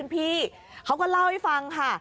พี่เขาก็เล่าให้ฟังค่ะ